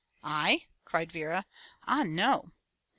'' "I?" cried Vera. "Ah no!"